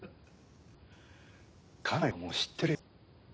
家内はもう知ってるよ。